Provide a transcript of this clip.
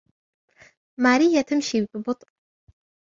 ماريا تمشي بُبطء.